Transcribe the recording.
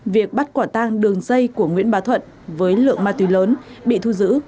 việc bắt quả tang đường dây của nguyễn bà thuận với lượng ma túy lớn bị thu giữ